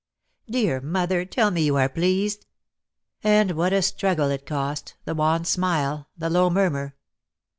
"Dear mother, tell me you are pleased." Ah, what a struggle it cost, the wan smile, the low murmur.